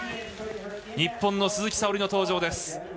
日本の鈴木沙織の登場です。